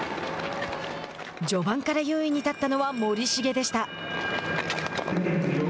序盤から優位に立ったのは森重でした。